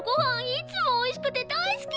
いつもおいしくて大好き！